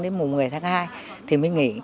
từ mùng một mươi tháng hai thì mới nghỉ